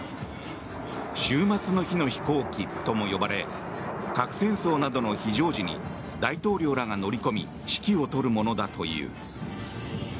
終末の日の飛行機とも呼ばれ核戦争などの非常時に大統領らが乗り込み指揮を執るものだという。